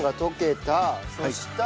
そしたら。